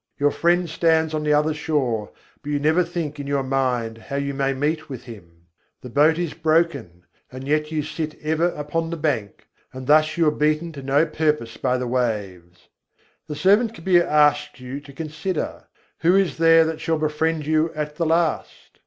Your Friend stands on the other shore, but you never think in your mind how you may meet with Him: The boat is broken, and yet you sit ever upon the bank; and thus you are beaten to no purpose by the waves. The servant Kabîr asks you to consider; who is there that shall befriend you at the last?